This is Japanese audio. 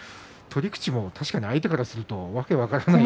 取り口も確かに相手からすると訳が分からない。